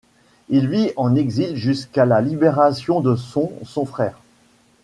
Il vit en exil jusqu'à la libération de son son frère.